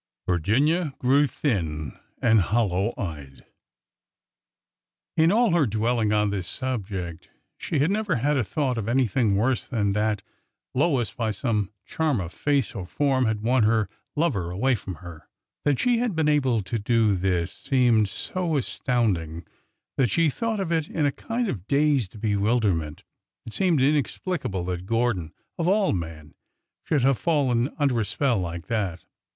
Virginia grew thin and hollow eyed. In all her dwelling on this subject, she had never had a thought of anything worse than that Lois, by some charm of face or form, had won her lover away from her. That she should have been able to do this seemed so as tounding, that she thought of it all in a kind of dazed be wilderment. It seemed inexplicable that Gordon— of all men— should have fallen under a spell like that!